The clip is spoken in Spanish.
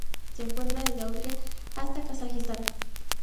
Se encuentra desde Austria hasta el Kazajistán.